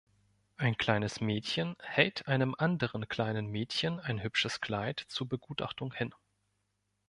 Ein kleines Mädchen hält einem anderen kleinen Mädchen ein hübsches Kleid zur Begutachtung hin.